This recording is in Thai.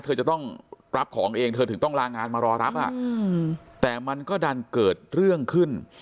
เธอจะต้องรับของเองเธอถึงต้องลางานมารอรับแต่มันก็ดันเกิดเรื่องขึ้น